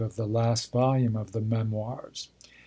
of the last volume of the Memoirs.